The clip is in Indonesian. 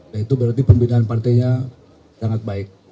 nah itu berarti pembinaan partainya sangat baik